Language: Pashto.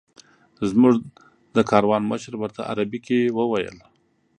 زموږ د کاروان مشر ورته عربي کې وویل.